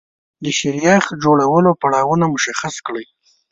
د شیریخ د جوړولو پړاوونه مشخص کړئ.